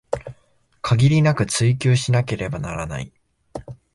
限りなく追求しなければならない